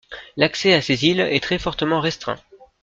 L'accès à ces îles est très fortement restreint.